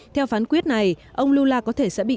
theo phán quyết này ông lula có thể sẽ bị